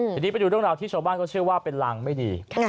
ทีนี้ไปดูเรื่องราวที่ชาวบ้านเขาเชื่อว่าเป็นรังไม่ดี